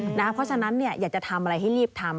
เพราะฉะนั้นอยากจะทำอะไรให้รีบทำ